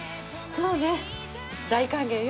そうね大歓迎よ。